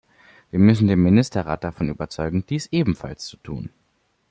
Wir müssen den Ministerrat davon überzeugen, dies ebenfalls zu tun.